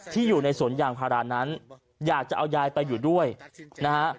อยู่ในสวนยางพารานั้นอยากจะเอายายไปอยู่ด้วยนะฮะ